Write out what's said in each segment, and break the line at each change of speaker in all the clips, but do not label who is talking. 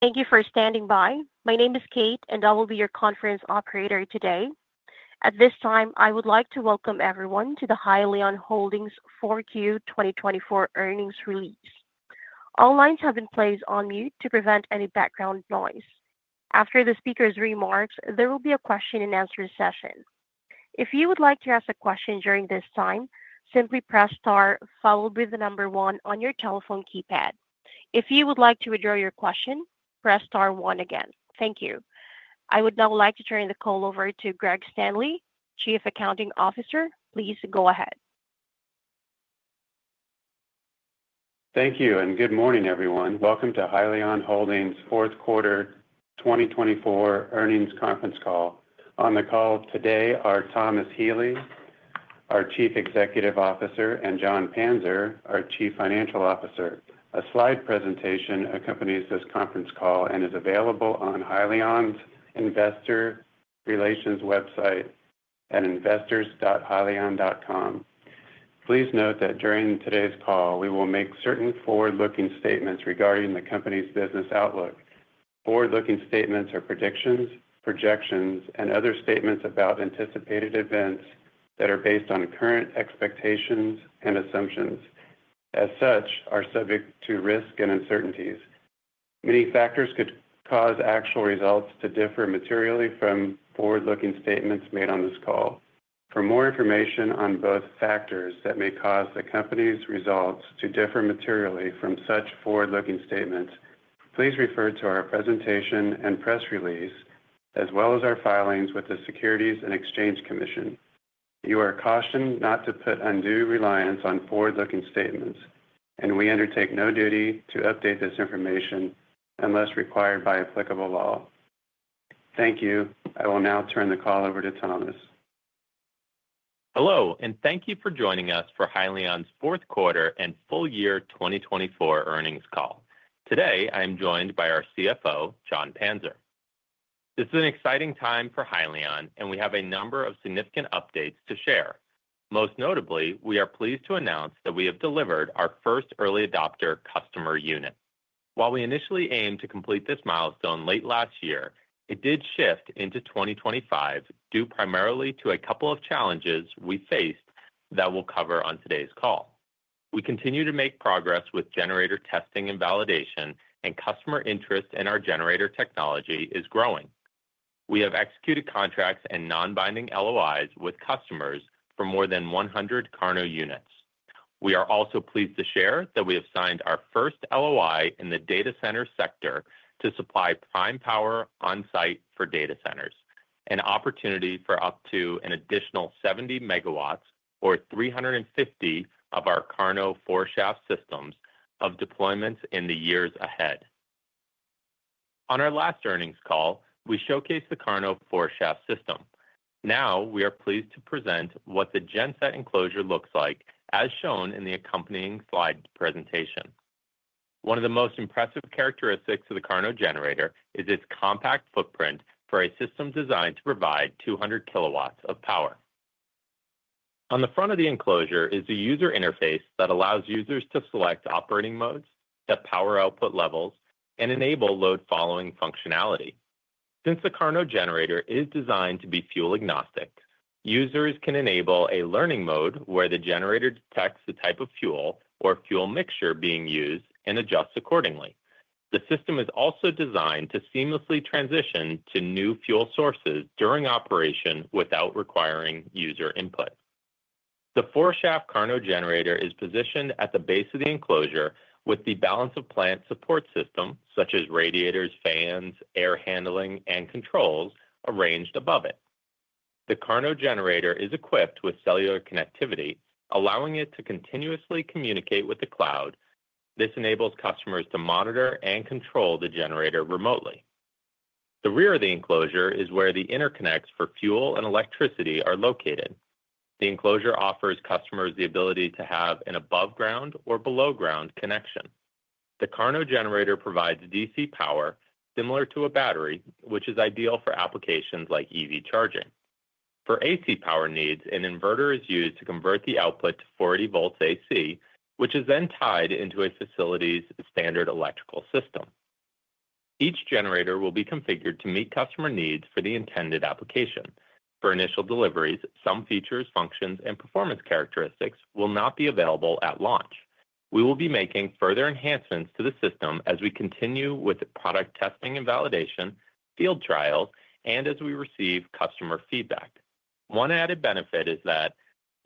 Thank you for standing by. My name is Kate, and I will be your conference operator today. At this time, I would like to welcome everyone to the Hyliion Holdings 4Q 2024 earnings release. All lines have been placed on mute to prevent any background noise. After the speaker's remarks, there will be a question-and-answer session. If you would like to ask a question during this time, simply press star, followed by the number one on your telephone keypad. If you would like to withdraw your question, press star one again. Thank you. I would now like to turn the call over to Greg Standley, Chief Accounting Officer. Please go ahead.
Thank you, and good morning, everyone. Welcome to Hyliion Holdings' Fourth Quarter 2024 earnings conference call. On the call today are Thomas Healy, our Chief Executive Officer, and Jon Panzer, our Chief Financial Officer. A slide presentation accompanies this conference call and is available on Hyliion's investor relations website at investors.hyliion.com. Please note that during today's call, we will make certain forward-looking statements regarding the company's business outlook. Forward-looking statements are predictions, projections, and other statements about anticipated events that are based on current expectations and assumptions. As such, they are subject to risk and uncertainties. Many factors could cause actual results to differ materially from forward-looking statements made on this call. For more information on both factors that may cause the company's results to differ materially from such forward-looking statements, please refer to our presentation and press release, as well as our filings with the Securities and Exchange Commission. You are cautioned not to put undue reliance on forward-looking statements, and we undertake no duty to update this information unless required by applicable law. Thank you. I will now turn the call over to Thomas.
Hello, and thank you for joining us for Hyliion's fourth quarter and full year 2024 earnings call. Today, I am joined by our CFO, Jon Panzer. This is an exciting time for Hyliion, and we have a number of significant updates to share. Most notably, we are pleased to announce that we have delivered our first early adopter customer unit. While we initially aimed to complete this milestone late last year, it did shift into 2025 due primarily to a couple of challenges we faced that we'll cover on today's call. We continue to make progress with generator testing and validation, and customer interest in our generator technology is growing. We have executed contracts and non-binding LOIs with customers for more than 100 KARNO units. We are also pleased to share that we have signed our first LOI in the data center sector to supply prime power on-site for data centers, an opportunity for up to an additional 70 MW or 350 of our KARNO 4-shaft systems of deployments in the years ahead. On our last earnings call, we showcased the KARNO 4-shaft system. Now, we are pleased to present what the genset enclosure looks like, as shown in the accompanying slide presentation. One of the most impressive characteristics of the KARNO generator is its compact footprint for a system designed to provide 200 kW of power. On the front of the enclosure is a user interface that allows users to select operating modes, set power output levels, and enable load-following functionality. Since the KARNO generator is designed to be fuel-agnostic, users can enable a learning mode where the generator detects the type of fuel or fuel mixture being used and adjusts accordingly. The system is also designed to seamlessly transition to new fuel sources during operation without requiring user input. The 4-shaft KARNO generator is positioned at the base of the enclosure with the balance of plant support systems, such as radiators, fans, air handling, and controls arranged above it. The KARNO generator is equipped with cellular connectivity, allowing it to continuously communicate with the cloud. This enables customers to monitor and control the generator remotely. The rear of the enclosure is where the interconnects for fuel and electricity are located. The enclosure offers customers the ability to have an above-ground or below-ground connection. The KARNO generator provides DC power, similar to a battery, which is ideal for applications like EV charging. For AC power needs, an inverter is used to convert the output to 480 volts AC, which is then tied into a facility's standard electrical system. Each generator will be configured to meet customer needs for the intended application. For initial deliveries, some features, functions, and performance characteristics will not be available at launch. We will be making further enhancements to the system as we continue with product testing and validation, field trials, and as we receive customer feedback. One added benefit is that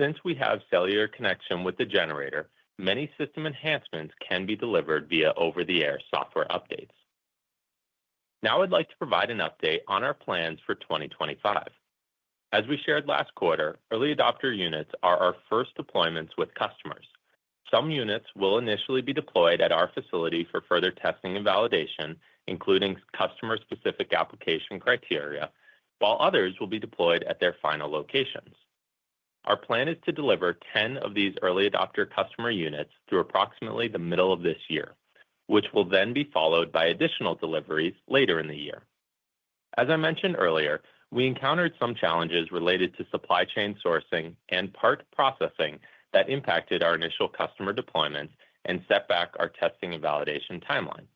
since we have cellular connection with the generator, many system enhancements can be delivered via over-the-air software updates. Now, I'd like to provide an update on our plans for 2025. As we shared last quarter, early adopter units are our first deployments with customers. Some units will initially be deployed at our facility for further testing and validation, including customer-specific application criteria, while others will be deployed at their final locations. Our plan is to deliver 10 of these early adopter customer units through approximately the middle of this year, which will then be followed by additional deliveries later in the year. As I mentioned earlier, we encountered some challenges related to supply chain sourcing and part processing that impacted our initial customer deployments and set back our testing and validation timeline.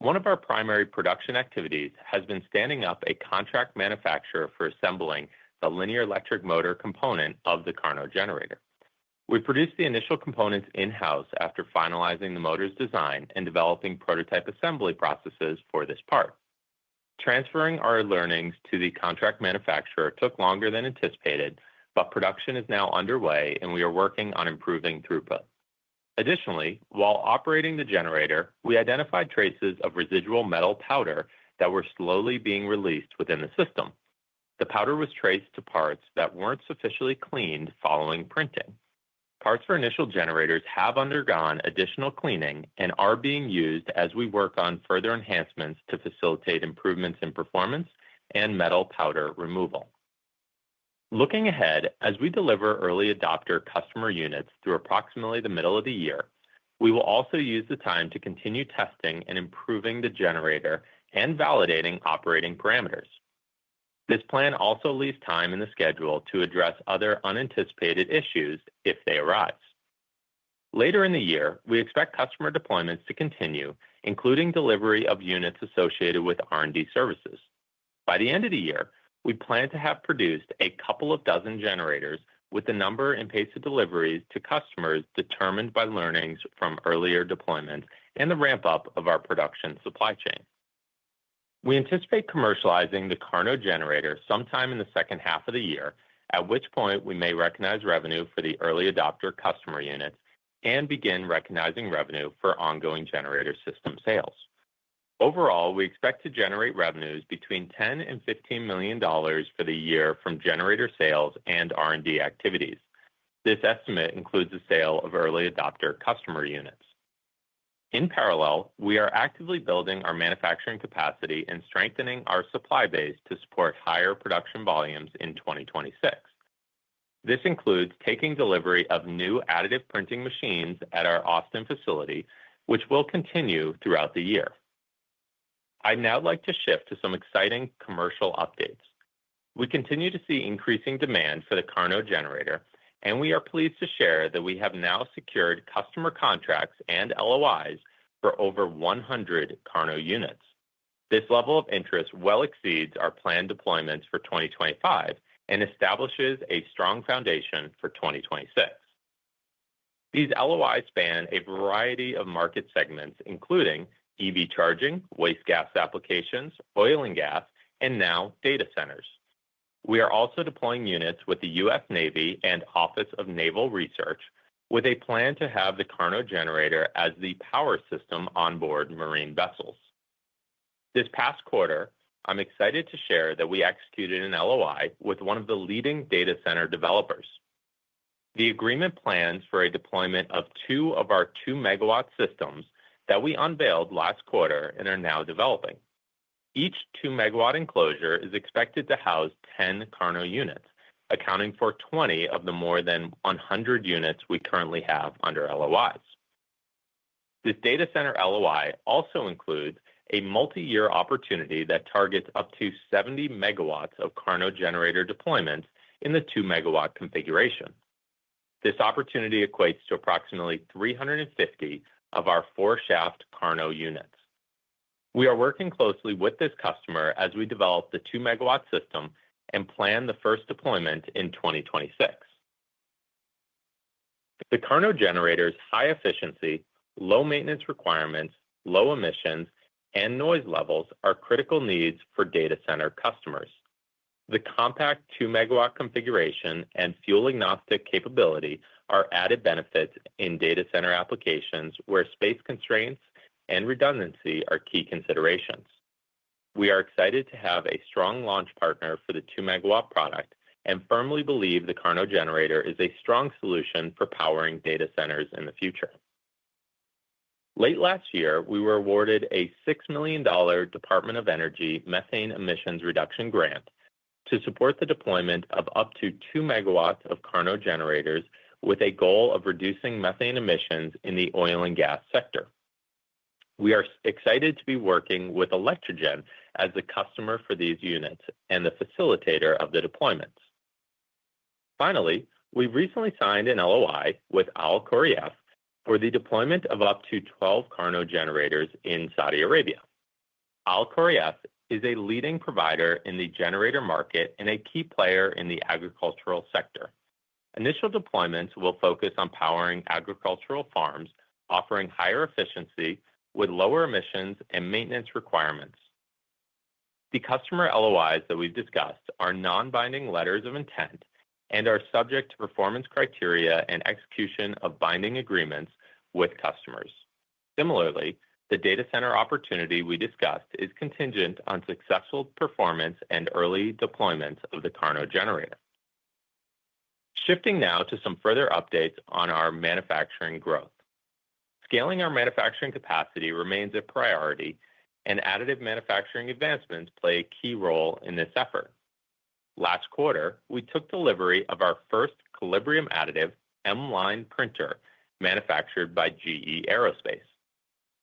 One of our primary production activities has been standing up a contract manufacturer for assembling the linear electric motor component of the KARNO generator. We produced the initial components in-house after finalizing the motor's design and developing prototype assembly processes for this part. Transferring our learnings to the contract manufacturer took longer than anticipated, but production is now underway, and we are working on improving throughput. Additionally, while operating the generator, we identified traces of residual metal powder that were slowly being released within the system. The powder was traced to parts that weren't sufficiently cleaned following printing. Parts for initial generators have undergone additional cleaning and are being used as we work on further enhancements to facilitate improvements in performance and metal powder removal. Looking ahead, as we deliver early adopter customer units through approximately the middle of the year, we will also use the time to continue testing and improving the generator and validating operating parameters. This plan also leaves time in the schedule to address other unanticipated issues if they arise. Later in the year, we expect customer deployments to continue, including delivery of units associated with R&D services. By the end of the year, we plan to have produced a couple of dozen generators with the number and pace of deliveries to customers determined by learnings from earlier deployments and the ramp-up of our production supply chain. We anticipate commercializing the KARNO generator sometime in the second half of the year, at which point we may recognize revenue for the early adopter customer units and begin recognizing revenue for ongoing generator system sales. Overall, we expect to generate revenues between $10 and $15 million for the year from generator sales and R&D activities. This estimate includes the sale of early adopter customer units. In parallel, we are actively building our manufacturing capacity and strengthening our supply base to support higher production volumes in 2026. This includes taking delivery of new additive printing machines at our Austin facility, which will continue throughout the year. I'd now like to shift to some exciting commercial updates. We continue to see increasing demand for the KARNO generator, and we are pleased to share that we have now secured customer contracts and LOIs for over 100 KARNO units. This level of interest well exceeds our planned deployments for 2025 and establishes a strong foundation for 2026. These LOIs span a variety of market segments, including EV charging, waste gas applications, oil and gas, and now data centers. We are also deploying units with the U.S. Navy and U.S. Office of Naval Research, with a plan to have the KARNO generator as the power system onboard marine vessels. This past quarter, I'm excited to share that we executed an LOI with one of the leading data center developers. The agreement plans for a deployment of two of our 2 MW systems that we unveiled last quarter and are now developing. Each 2 MW enclosure is expected to house 10 KARNO units, accounting for 20 of the more than 100 units we currently have under LOIs. This data center LOI also includes a multi-year opportunity that targets up to 70 MW of KARNO generator deployments in the 2 MW configuration. This opportunity equates to approximately 350 of our 4-shaft KARNO units. We are working closely with this customer as we develop the 2 MW system and plan the first deployment in 2026. The KARNO generator's high efficiency, low maintenance requirements, low emissions, and noise levels are critical needs for data center customers. The compact 2 MW configuration and fuel-agnostic capability are added benefits in data center applications where space constraints and redundancy are key considerations. We are excited to have a strong launch partner for the 2 MW product and firmly believe the KARNO generator is a strong solution for powering data centers in the future. Late last year, we were awarded a $6 million Department of Energy methane emissions reduction grant to support the deployment of up to 2 MW of KARNO generators, with a goal of reducing methane emissions in the oil and gas sector. We are excited to be working with Electrigen as the customer for these units and the facilitator of the deployments. Finally, we've recently signed an LOI with Alkhorayef for the deployment of up to 12 KARNO generators in Saudi Arabia. Alkhorayef is a leading provider in the generator market and a key player in the agricultural sector. Initial deployments will focus on powering agricultural farms, offering higher efficiency with lower emissions and maintenance requirements. The customer LOIs that we've discussed are non-binding letters of intent and are subject to performance criteria and execution of binding agreements with customers. Similarly, the data center opportunity we discussed is contingent on successful performance and early deployments of the KARNO generator. Shifting now to some further updates on our manufacturing growth. Scaling our manufacturing capacity remains a priority, and additive manufacturing advancements play a key role in this effort. Last quarter, we took delivery of our first Colibrium Additive M Line printer manufactured by GE Aerospace.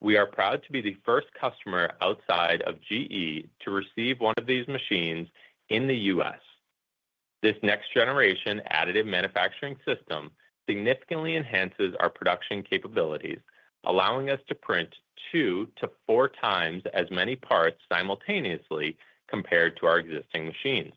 We are proud to be the first customer outside of GE to receive one of these machines in the U.S. This next-generation additive manufacturing system significantly enhances our production capabilities, allowing us to print two to four times as many parts simultaneously compared to our existing machines.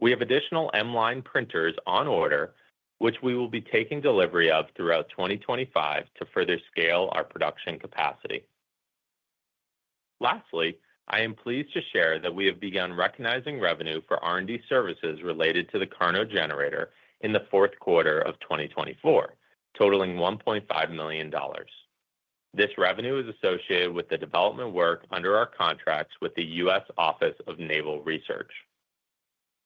We have additional M Line printers on order, which we will be taking delivery of throughout 2025 to further scale our production capacity. Lastly, I am pleased to share that we have begun recognizing revenue for R&D services related to the KARNO generator in the fourth quarter of 2024, totaling $1.5 million. This revenue is associated with the development work under our contracts with the U.S. Office of Naval Research.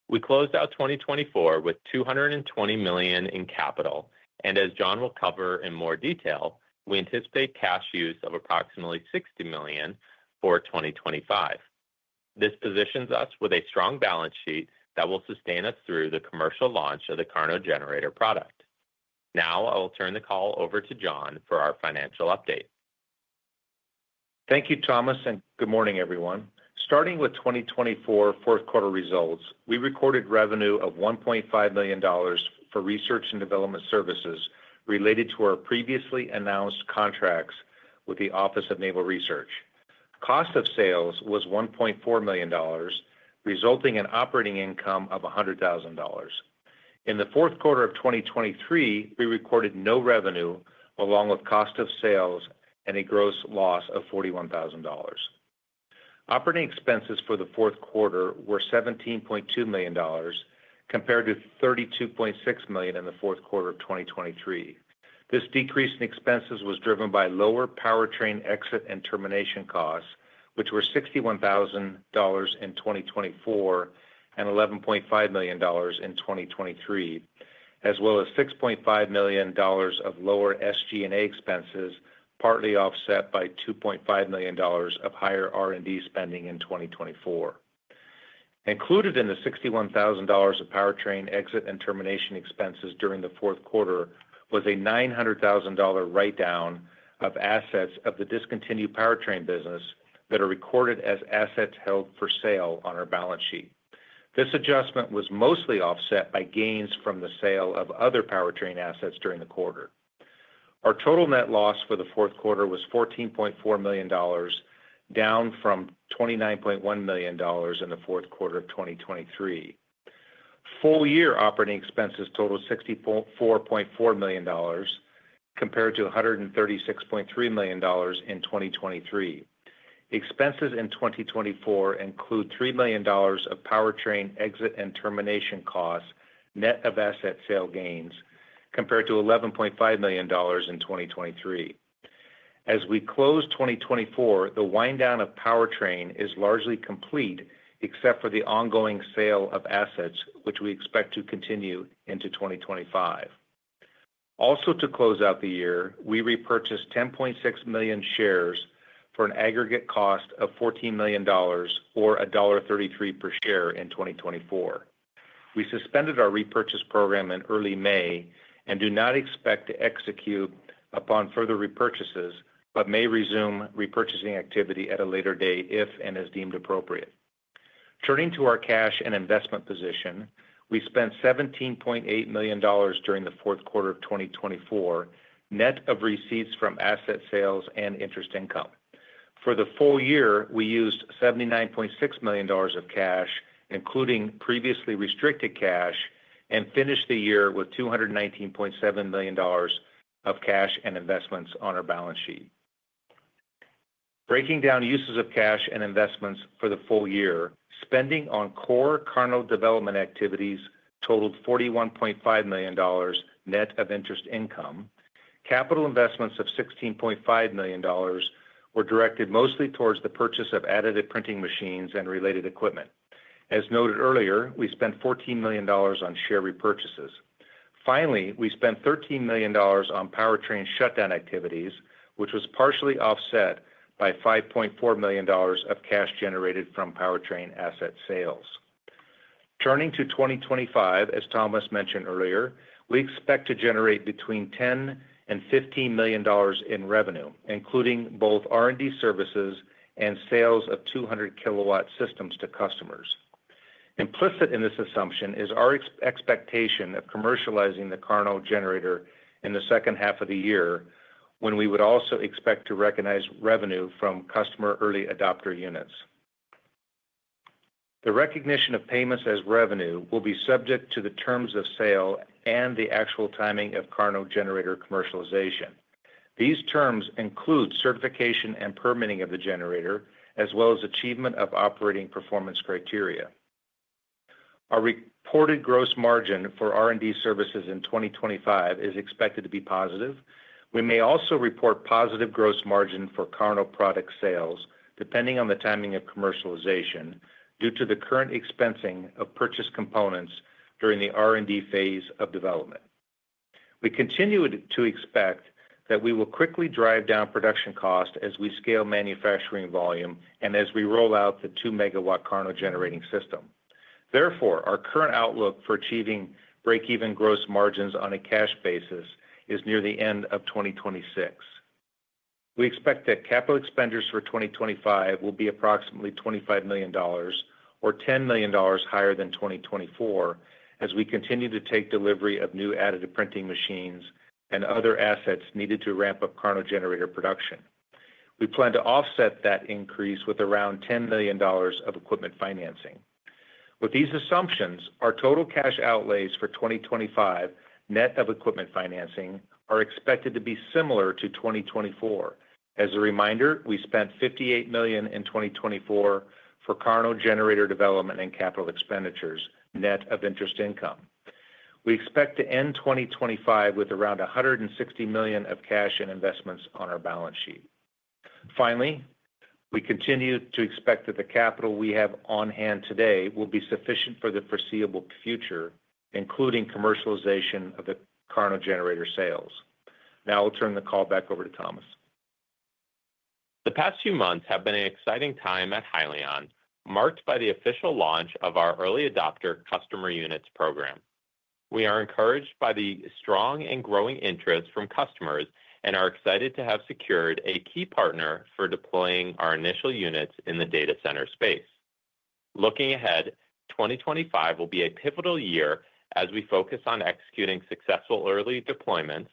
We closed out 2024 with $220 million in capital, and as Jon will cover in more detail, we anticipate cash use of approximately $60 million for 2025. This positions us with a strong balance sheet that will sustain us through the commercial launch of the KARNO generator product. Now, I will turn the call over to Jon for our financial update.
Thank you, Thomas, and good morning, everyone. Starting with 2024 fourth quarter results, we recorded revenue of $1.5 million for research and development services related to our previously announced contracts with the Office of Naval Research. Cost of sales was $1.4 million, resulting in operating income of $100,000. In the fourth quarter of 2023, we recorded no revenue, along with cost of sales and a gross loss of $41,000. Operating expenses for the fourth quarter were $17.2 million, compared to $32.6 million in the fourth quarter of 2023. This decrease in expenses was driven by lower powertrain exit and termination costs, which were $61,000 in 2024 and $11.5 million in 2023, as well as $6.5 million of lower SG&A expenses, partly offset by $2.5 million of higher R&D spending in 2024. Included in the $61,000 of powertrain exit and termination expenses during the fourth quarter was a $900,000 write-down of assets of the discontinued powertrain business that are recorded as assets held for sale on our balance sheet. This adjustment was mostly offset by gains from the sale of other powertrain assets during the quarter. Our total net loss for the fourth quarter was $14.4 million, down from $29.1 million in the fourth quarter of 2023. Full-year operating expenses totaled $64.4 million, compared to $136.3 million in 2023. Expenses in 2024 include $3 million of powertrain exit and termination costs, net of asset sale gains, compared to $11.5 million in 2023. As we close 2024, the wind-down of powertrain is largely complete, except for the ongoing sale of assets, which we expect to continue into 2025. Also, to close out the year, we repurchased 10.6 million shares for an aggregate cost of $14 million, or $1.33 per share in 2024. We suspended our repurchase program in early May and do not expect to execute upon further repurchases, but may resume repurchasing activity at a later date if and as deemed appropriate. Turning to our cash and investment position, we spent $17.8 million during the fourth quarter of 2024, net of receipts from asset sales and interest income. For the full year, we used $79.6 million of cash, including previously restricted cash, and finished the year with $219.7 million of cash and investments on our balance sheet. Breaking down uses of cash and investments for the full year, spending on core KARNO development activities totaled $41.5 million, net of interest income. Capital investments of $16.5 million were directed mostly towards the purchase of additive printing machines and related equipment. As noted earlier, we spent $14 million on share repurchases. Finally, we spent $13 million on powertrain shutdown activities, which was partially offset by $5.4 million of cash generated from powertrain asset sales. Turning to 2025, as Thomas mentioned earlier, we expect to generate between $10 and $15 million in revenue, including both R&D services and sales of 200 kW systems to customers. Implicit in this assumption is our expectation of commercializing the KARNO generator in the second half of the year, when we would also expect to recognize revenue from customer early adopter units. The recognition of payments as revenue will be subject to the terms of sale and the actual timing of KARNO generator commercialization. These terms include certification and permitting of the generator, as well as achievement of operating performance criteria. Our reported gross margin for R&D services in 2025 is expected to be positive. We may also report positive gross margin for KARNO product sales, depending on the timing of commercialization, due to the current expensing of purchase components during the R&D phase of development. We continue to expect that we will quickly drive down production costs as we scale manufacturing volume and as we roll out the two-megawatt KARNO generating system. Therefore, our current outlook for achieving break-even gross margins on a cash basis is near the end of 2026. We expect that capital expenditures for 2025 will be approximately $25 million, or $10 million higher than 2024, as we continue to take delivery of new additive printing machines and other assets needed to ramp up KARNO generator production. We plan to offset that increase with around $10 million of equipment financing. With these assumptions, our total cash outlays for 2025 net of equipment financing are expected to be similar to 2024. As a reminder, we spent $58 million in 2024 for KARNO generator development and capital expenditures, net of interest income. We expect to end 2025 with around $160 million of cash and investments on our balance sheet. Finally, we continue to expect that the capital we have on hand today will be sufficient for the foreseeable future, including commercialization of the KARNO generator sales. Now, I'll turn the call back over to Thomas.
The past few months have been an exciting time at Hyliion, marked by the official launch of our early adopter customer units program. We are encouraged by the strong and growing interest from customers and are excited to have secured a key partner for deploying our initial units in the data center space. Looking ahead, 2025 will be a pivotal year as we focus on executing successful early deployments,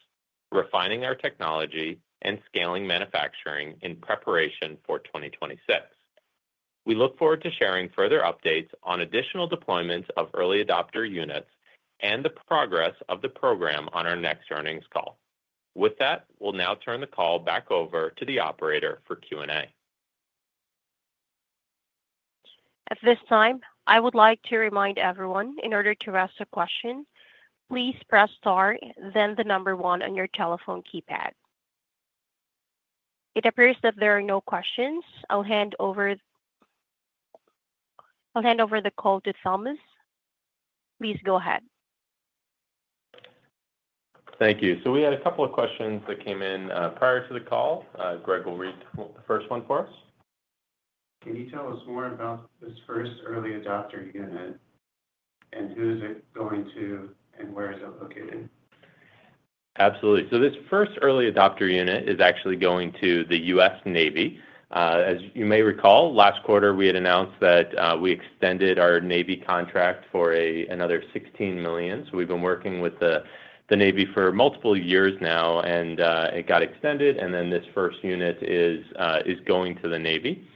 refining our technology, and scaling manufacturing in preparation for 2026. We look forward to sharing further updates on additional deployments of early adopter units and the progress of the program on our next earnings call. With that, we'll now turn the call back over to the operator for Q&A.
At this time, I would like to remind everyone, in order to ask a question, please press star, then the number one on your telephone keypad. It appears that there are no questions. I'll hand over the call to Thomas. Please go ahead.
Thank you. So we had a couple of questions that came in prior to the call. Greg will read the first one for us.
Can you tell us more about this first early adopter unit and who is it going to and where is it located?
Absolutely. So this first early adopter unit is actually going to the U.S. Navy. As you may recall, last quarter, we had announced that we extended our U.S. Navy contract for another $16 million. So we've been working with the U.S. Navy for multiple years now, and it got extended. And then this first unit is going to the U.S. Navy.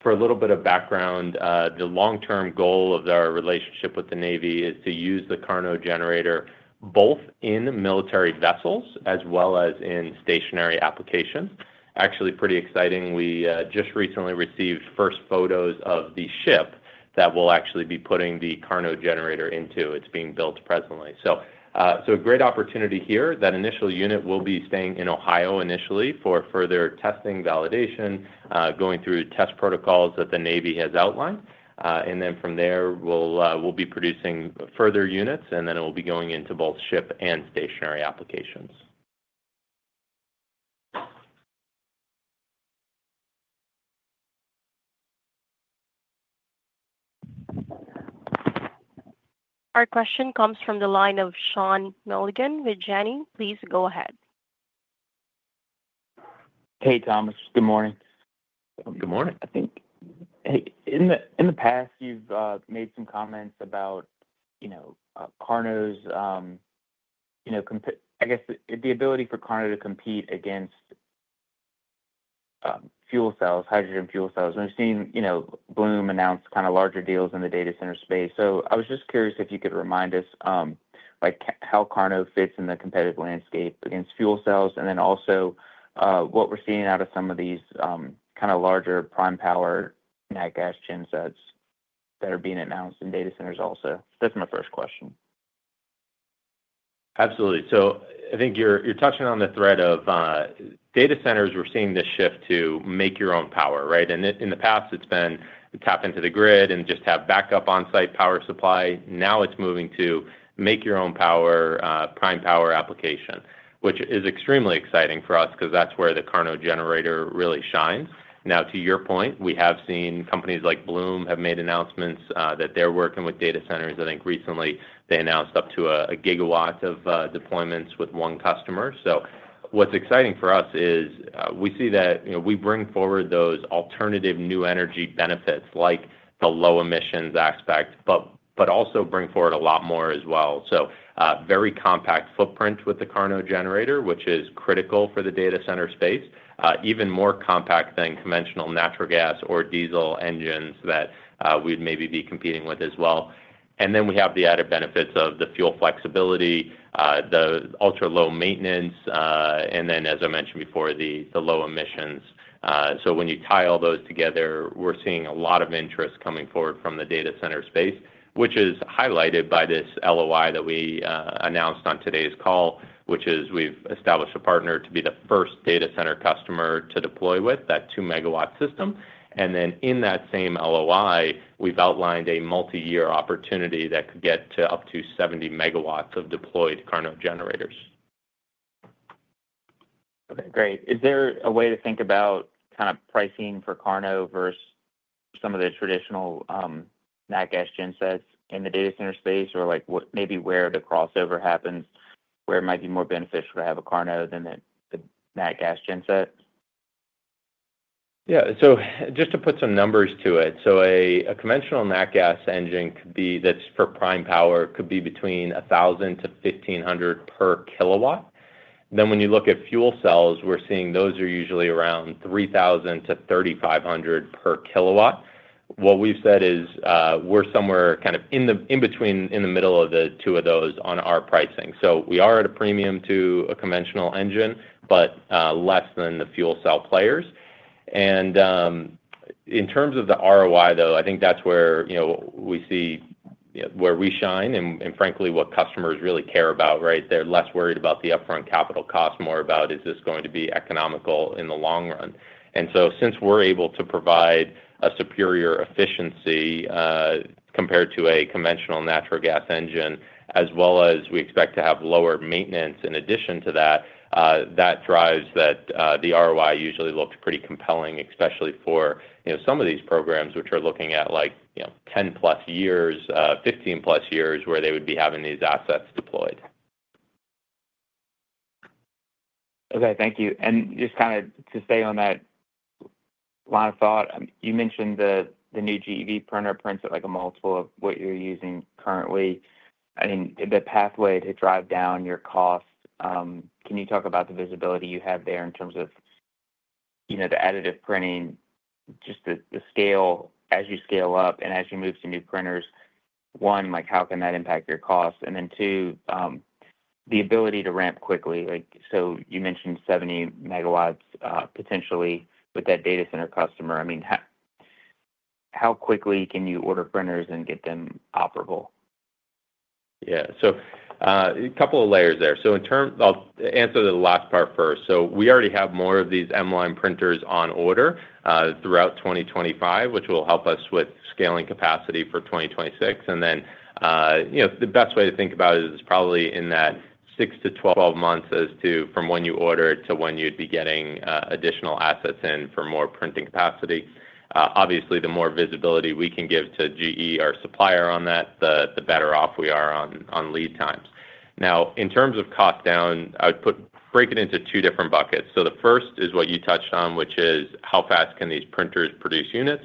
For a little bit of background, the long-term goal of our relationship with the U.S. Navy is to use the KARNO generator both in military vessels as well as in stationary applications. Actually, pretty exciting. We just recently received first photos of the ship that we'll actually be putting the KARNO generator into. It's being built presently. So a great opportunity here. That initial unit will be staying in Ohio initially for further testing, validation, going through test protocols that the U.S. Navy has outlined. And then from there, we'll be producing further units, and then it will be going into both ship and stationary applications.
Our question comes from the line of Sean Milligan with Janney. Please go ahead.
Hey, Thomas. Good morning.
Good morning.
I think in the past, you've made some comments about KARNO's, I guess, the ability for KARNO to compete against fuel cells, hydrogen fuel cells. We've seen Bloom announce kind of larger deals in the data center space. So I was just curious if you could remind us how KARNO fits in the competitive landscape against fuel cells, and then also what we're seeing out of some of these kind of larger prime power natural gas gensets that are being announced in data centers also. That's my first question.
Absolutely. So I think you're touching on the trend of data centers. We're seeing this shift to make your own power, right? And in the past, it's been to tap into the grid and just have backup on-site power supply. Now it's moving to make your own power, prime power application, which is extremely exciting for us because that's where the KARNO generator really shines. Now, to your point, we have seen companies like Bloom have made announcements that they're working with data centers. I think recently they announced up to a gigawatt of deployments with one customer. So what's exciting for us is we see that we bring forward those alternative new energy benefits like the low emissions aspect, but also bring forward a lot more as well. So very compact footprint with the KARNO generator, which is critical for the data center space, even more compact than conventional natural gas or diesel engines that we'd maybe be competing with as well. And then we have the added benefits of the fuel flexibility, the ultra-low maintenance, and then, as I mentioned before, the low emissions. So when you tie all those together, we're seeing a lot of interest coming forward from the data center space, which is highlighted by this LOI that we announced on today's call, which is we've established a partner to be the first data center customer to deploy with that 2 MW system. And then in that same LOI, we've outlined a multi-year opportunity that could get to up to 70 MW of deployed KARNO generators.
Okay. Great. Is there a way to think about kind of pricing for KARNO versus some of the traditional natural gas gensets in the data center space, or maybe where the crossover happens, where it might be more beneficial to have a KARNO than the natural gas genset?
Yeah. So just to put some numbers to it, so a conventional natural gas engine that's for prime power could be between $1,000-$1,500 per kilowatt. Then when you look at fuel cells, we're seeing those are usually around $3,000-$3,500 per kilowatt. What we've said is we're somewhere kind of in between in the middle of the two of those on our pricing. So we are at a premium to a conventional engine, but less than the fuel cell players. And in terms of the ROI, though, I think that's where we see where we shine and, frankly, what customers really care about, right? They're less worried about the upfront capital cost, more about is this going to be economical in the long run. Since we're able to provide a superior efficiency compared to a conventional natural gas engine, as well as we expect to have lower maintenance in addition to that, that drives that the ROI usually looks pretty compelling, especially for some of these programs which are looking at like 10+ years, 15+ years where they would be having these assets deployed.
Okay. Thank you. Just kind of to stay on that line of thought, you mentioned the new GE printer prints at a multiple of what you're using currently. I mean, the pathway to drive down your cost, can you talk about the visibility you have there in terms of the additive printing, just the scale as you scale up and as you move to new printers? One, how can that impact your cost? And then two, the ability to ramp quickly. So you mentioned 70 MW potentially with that data center customer. I mean, how quickly can you order printers and get them operable?
Yeah. So a couple of layers there. So I'll answer the last part first. So we already have more of these M Line printers on order throughout 2025, which will help us with scaling capacity for 2026. And then the best way to think about it is probably in that 6 months-12 months from when you order it to when you'd be getting additional assets in for more printing capacity. Obviously, the more visibility we can give to GE, our supplier on that, the better off we are on lead times. Now, in terms of cost down, I would break it into two different buckets. So the first is what you touched on, which is how fast can these printers produce units.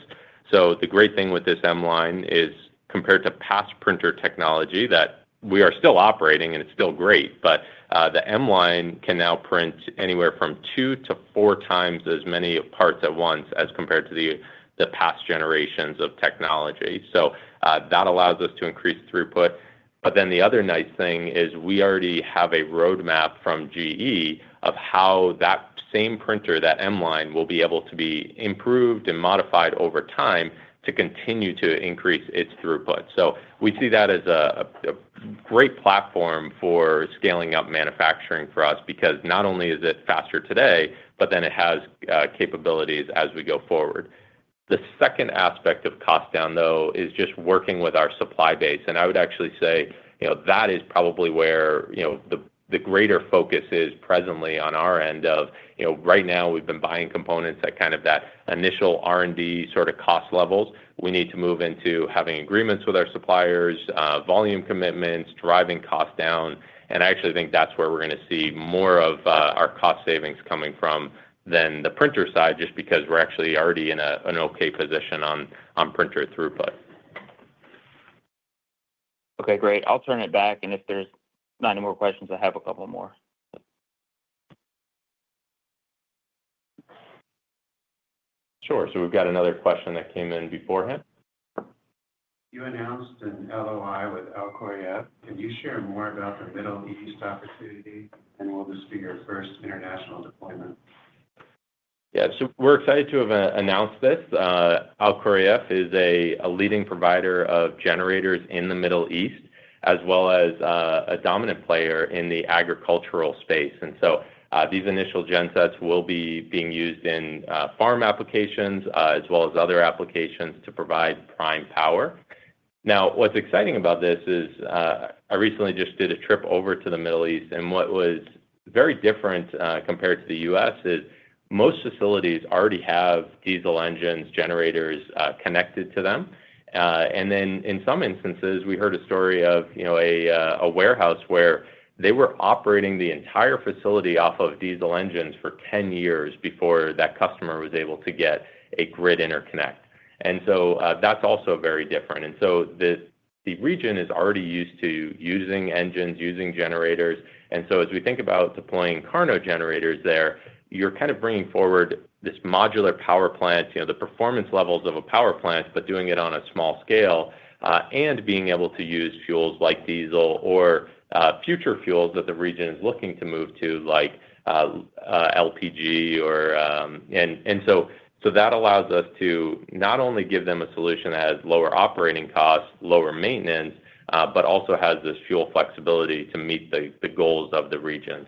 The great thing with this M Line is compared to past printer technology that we are still operating and it's still great, but the M Line can now print anywhere from two to four times as many parts at once as compared to the past generations of technology. So that allows us to increase throughput. But then the other nice thing is we already have a roadmap from GE of how that same printer, that M Line, will be able to be improved and modified over time to continue to increase its throughput. So we see that as a great platform for scaling up manufacturing for us because not only is it faster today, but then it has capabilities as we go forward. The second aspect of cost down, though, is just working with our supply base. And I would actually say that is probably where the greater focus is presently on our end right now. We've been buying components at kind of that initial R&D sort of cost levels. We need to move into having agreements with our suppliers, volume commitments, driving cost down. And I actually think that's where we're going to see more of our cost savings coming from than the printer side, just because we're actually already in an okay position on printer throughput.
Okay. Great. I'll turn it back. And if there's not any more questions, I have a couple more.
Sure. So we've got another question that came in beforehand.
You announced an LOI with Alkhorayef. Could you share more about the Middle East opportunity and will this be your first international deployment?
Yeah. So we're excited to have announced this. Alkhorayef is a leading provider of generators in the Middle East, as well as a dominant player in the agricultural space. And so these initial gensets will be being used in farm applications as well as other applications to provide prime power. Now, what's exciting about this is I recently just did a trip over to the Middle East. And what was very different compared to the U.S. is most facilities already have diesel engines generators connected to them. And then in some instances, we heard a story of a warehouse where they were operating the entire facility off of diesel engines for 10 years before that customer was able to get a grid interconnect. And so that's also very different. And so the region is already used to using engines, using generators. As we think about deploying KARNO generators there, you're kind of bringing forward this modular power plant, the performance levels of a power plant, but doing it on a small scale and being able to use fuels like diesel or future fuels that the region is looking to move to, like LPG. That allows us to not only give them a solution that has lower operating costs, lower maintenance, but also has this fuel flexibility to meet the goals of the region.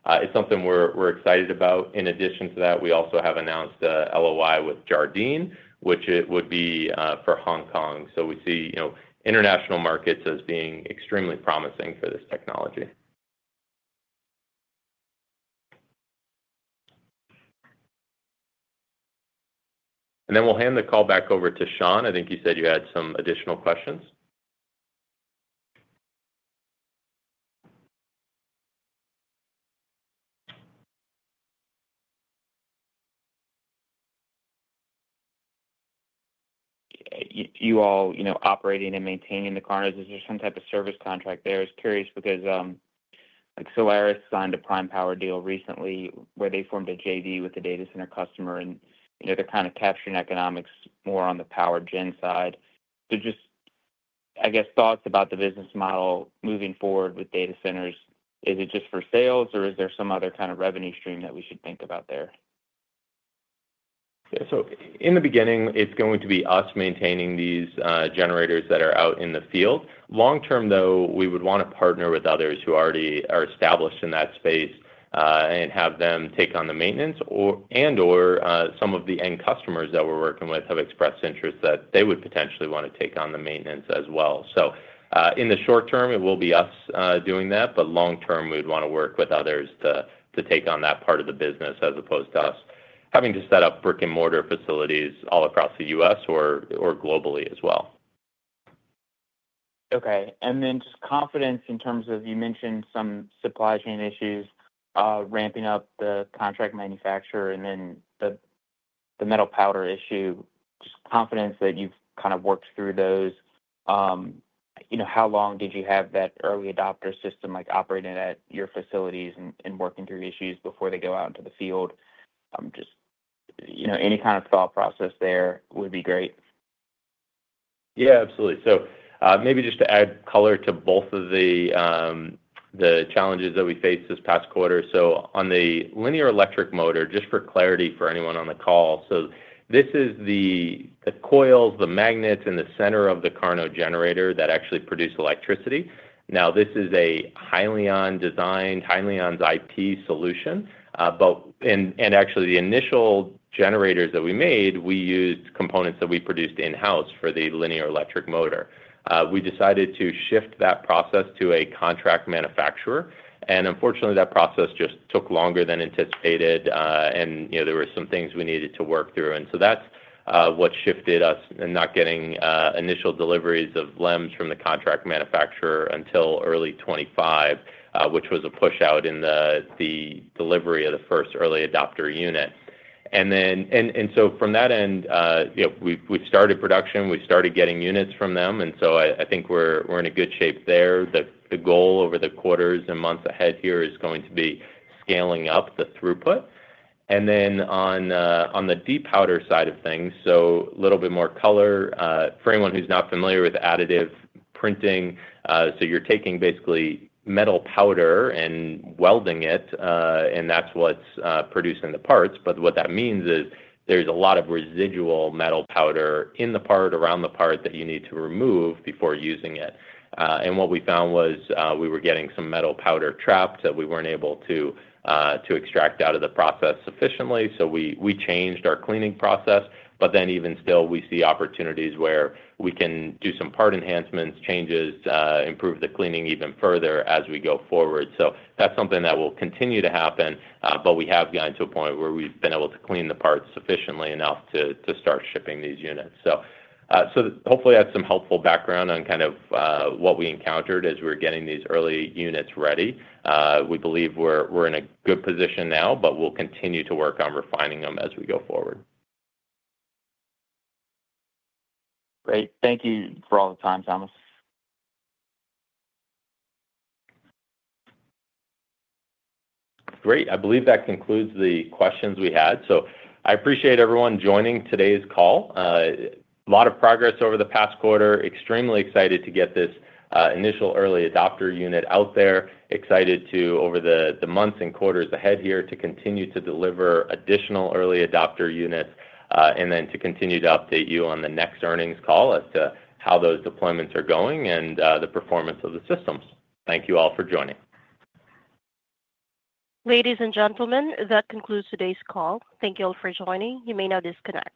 It's something we're excited about. In addition to that, we also have announced an LOI with Jardine, which would be for Hong Kong. We see international markets as being extremely promising for this technology. Then we'll hand the call back over to Sean. I think you said you had some additional questions.
you all operating and maintaining the KARNOs, is there some type of service contract there? I was curious because Solaris signed a prime power deal recently where they formed a JV with a data center customer, and they're kind of capturing economics more on the power gen side. So just, I guess, thoughts about the business model moving forward with data centers. Is it just for sales, or is there some other kind of revenue stream that we should think about there?
Yeah, so in the beginning, it's going to be us maintaining these generators that are out in the field. Long term, though, we would want to partner with others who already are established in that space and have them take on the maintenance, and/or some of the end customers that we're working with have expressed interest that they would potentially want to take on the maintenance as well. So in the short term, it will be us doing that, but long term, we'd want to work with others to take on that part of the business as opposed to us having to set up brick-and-mortar facilities all across the U.S. or globally as well.
Okay. And then just confidence in terms of you mentioned some supply chain issues, ramping up the contract manufacturer, and then the metal powder issue. Just confidence that you've kind of worked through those. How long did you have that early adopter system operating at your facilities and working through issues before they go out into the field? Just any kind of thought process there would be great.
Yeah. Absolutely. So maybe just to add color to both of the challenges that we faced this past quarter. On the linear electric motor, just for clarity for anyone on the call, so this is the coils, the magnets in the center of the KARNO generator that actually produce electricity. Now, this is a Hyliion design, Hyliion's IP solution. And actually, the initial generators that we made, we used components that we produced in-house for the linear electric motor. We decided to shift that process to a contract manufacturer. And unfortunately, that process just took longer than anticipated, and there were some things we needed to work through. And so that's what shifted us in not getting initial deliveries of LEMs from the contract manufacturer until early 2025, which was a push out in the delivery of the first early adopter unit. And so from that end, we've started production. We've started getting units from them. And so I think we're in a good shape there. The goal over the quarters and months ahead here is going to be scaling up the throughput, and then on the de-powder side of things, so a little bit more color. For anyone who's not familiar with additive printing, so you're taking basically metal powder and welding it, and that's what's producing the parts, but what that means is there's a lot of residual metal powder in the part, around the part that you need to remove before using it, and what we found was we were getting some metal powder trapped that we weren't able to extract out of the process sufficiently. So we changed our cleaning process, but then even still, we see opportunities where we can do some part enhancements, changes, improve the cleaning even further as we go forward. So that's something that will continue to happen, but we have gotten to a point where we've been able to clean the parts sufficiently enough to start shipping these units. So hopefully, that's some helpful background on kind of what we encountered as we're getting these early units ready. We believe we're in a good position now, but we'll continue to work on refining them as we go forward.
Great. Thank you for all the time, Thomas.
Great. I believe that concludes the questions we had. So I appreciate everyone joining today's call. A lot of progress over the past quarter. Extremely excited to get this initial early adopter unit out there. Excited to, over the months and quarters ahead here, to continue to deliver additional early adopter units and then to continue to update you on the next earnings call as to how those deployments are going and the performance of the systems. Thank you all for joining.
Ladies and gentlemen, that concludes today's call. Thank you all for joining. You may now disconnect.